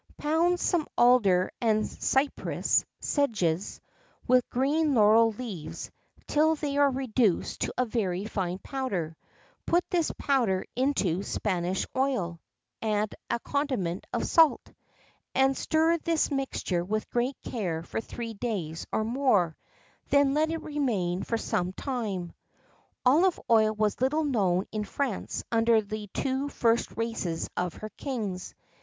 Pound some alder and cyperus (sedges) with green laurel leaves till they are reduced to a very fine powder put this powder into Spanish oil, add a condiment of salt,[XII 42] and stir this mixture with great care for three days or more, then let it remain for some time.[XII 43] Olive oil was little known in France under the two first races of her kings.